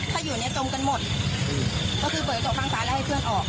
ถ้าอยู่ในตรงกันหมดก็คือเปิดกระจกข้างซ้ายแล้วให้เพื่อนออก